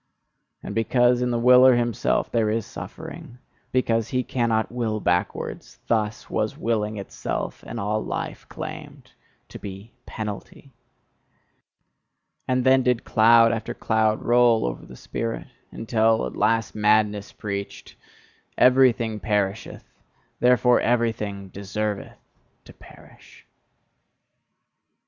And because in the willer himself there is suffering, because he cannot will backwards thus was Willing itself, and all life, claimed to be penalty! And then did cloud after cloud roll over the spirit, until at last madness preached: "Everything perisheth, therefore everything deserveth to perish!"